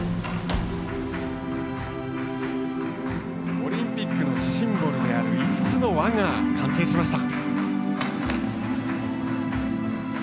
オリンピックのシンボルである五つの輪が完成しました。